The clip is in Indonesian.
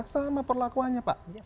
sama perlakuannya pak